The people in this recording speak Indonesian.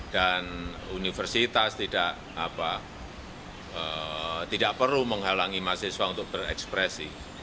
dan universitas tidak perlu menghalangi mahasiswa untuk berekspresi